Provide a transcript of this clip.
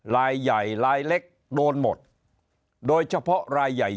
ลายใหญ่ลายเล็กโดนหมดโดยเฉพาะรายใหญ่